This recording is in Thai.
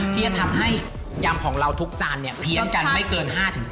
ที่จะทำให้ยำของเราทุกจานเนี่ยเพี้ยนกันไม่เกิน๕๑๐